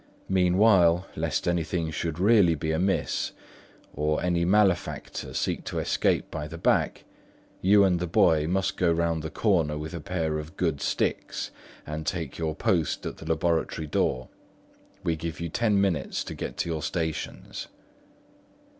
Meanwhile, lest anything should really be amiss, or any malefactor seek to escape by the back, you and the boy must go round the corner with a pair of good sticks and take your post at the laboratory door. We give you ten minutes to get to your stations."